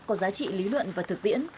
có giá trị lý luận và thực tiễn